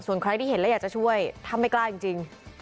ส่วนใครที่เห็นแล้วอยากจะช่วยถ้าไม่กล้าจริง